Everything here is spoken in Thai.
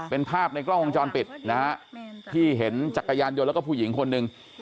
เป็นภาพในกล้องวงจรปิดนะฮะที่เห็นจักรยานยนต์แล้วก็ผู้หญิงคนหนึ่ง